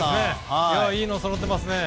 いいのがそろっていますね。